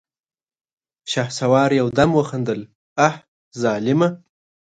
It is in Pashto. شهسوار يودم وخندل: اه ظالمه!